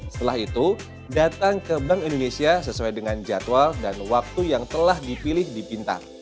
setelah itu datang ke bank indonesia sesuai dengan jadwal dan waktu yang telah dipilih di pintar